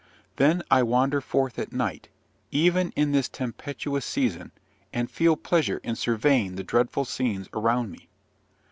Then I wander forth at night, even in this tempestuous season, and feel pleasure in surveying the dreadful scenes around me.